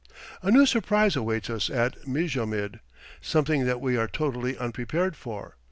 A new surprise awaits us at Mijamid, something that we are totally unprepared for.